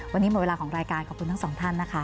วันนี้หมดเวลาของรายการขอบคุณทั้งสองท่านนะคะ